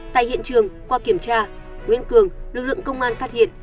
tại hiện trường qua kiểm tra nguyễn cường lực lượng công an phát hiện